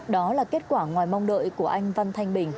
đó là kết quả ngoài mong đợi của anh văn thanh bình